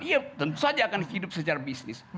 iya tentu saja akan hidup secara bisnis